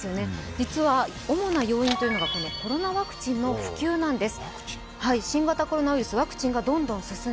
実は主な要因というのがコロナワクチンの普及なんです。